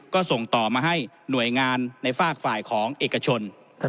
ก็ส่งต่อมาให้หน่วยงานในฝากฝ่ายของเอกชน